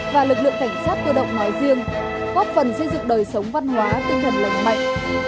và lực lượng cảnh sát cơ động nói riêng góp phần xây dựng đời sống văn hóa tinh thần lành mạnh